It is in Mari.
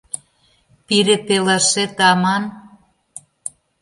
— Пире пелашет аман?